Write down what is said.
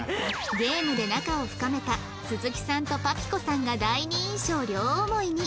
ゲームで仲を深めた鈴木さんとパピコさんが第二印象両思いに